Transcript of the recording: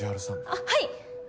あっはい！